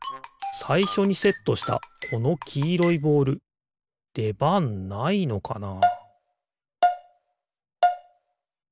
さいしょにセットしたこのきいろいボールでばんないのかな？